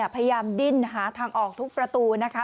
ดิ้นหาทางออกทุกประตูนะคะ